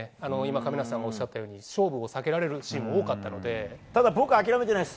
亀梨さんもおっしゃったように勝負を避けられるシーンもただ、僕諦めてないです。